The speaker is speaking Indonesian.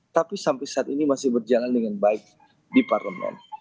tapi sampai saat ini masih berjalan dengan baik di parlemen